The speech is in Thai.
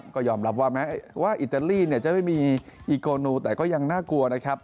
ก็ยอมรับว่าแม้ว่าอิตาลีเนี่ยจะไม่มีอีโกนูแต่ก็ยังน่ากลัวนะครับ